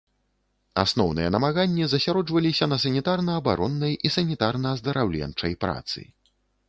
Асноўныя намаганні засяроджваліся на санітарна-абароннай і санітарна-аздараўленчай працы.